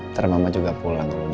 ntar mama juga pulang